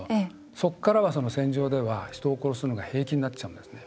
そこからは、その戦場では人を殺すのが平気になっちゃうんですね。